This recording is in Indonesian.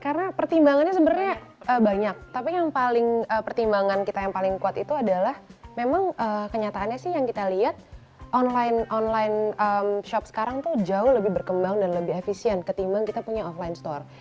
karena pertimbangannya sebenarnya banyak tapi yang paling pertimbangan kita yang paling kuat itu adalah memang kenyataannya sih yang kita lihat online shop sekarang tuh jauh lebih berkembang dan lebih efisien ketimbang kita punya offline store